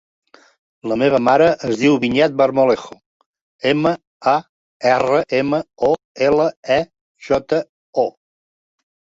La meva mare es diu Vinyet Marmolejo: ema, a, erra, ema, o, ela, e, jota, o.